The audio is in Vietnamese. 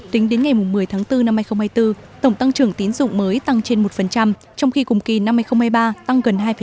tính đến ngày một mươi tháng bốn năm hai nghìn hai mươi bốn tổng tăng trưởng tín dụng mới tăng trên một trong khi cùng kỳ năm hai nghìn hai mươi ba tăng gần hai năm